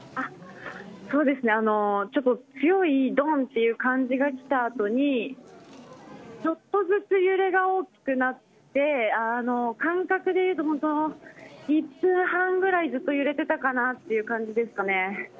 そうですね強いどんという感じがした後にちょっとずつ揺れが大きくなって感覚で言うと本当１分半ぐらいずっと揺れていたかなという感じですかね。